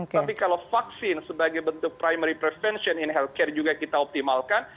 tapi kalau vaksin sebagai bentuk primary prevention in healthcare juga kita optimalkan